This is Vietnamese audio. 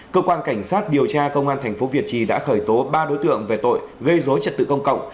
cơ quan cảnh sát điều tra công an tp việt trì đã khởi tố ba đối tượng về tội gây dối trật tự công cộng